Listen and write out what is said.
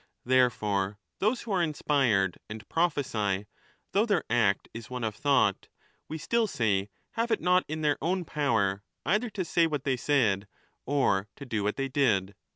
Therefore those who are inspired and prophesy, though their act is one of thought, we still say have it not in their own power either to say 30 what they said, or to do what they did.